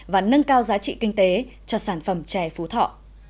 và nâng cao giá trị kinh tế cho sản phẩm chè phú thọ